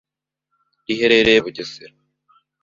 riherereye mu murenge wa Gashora mu karere ka Bugesera